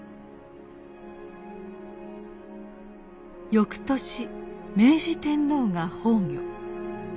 翌年明治天皇が崩御。